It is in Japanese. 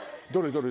どれ？